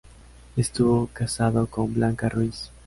Estuvo casado con Blanca Ruiz.